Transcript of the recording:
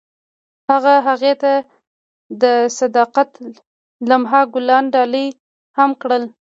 هغه هغې ته د صادق لمحه ګلان ډالۍ هم کړل.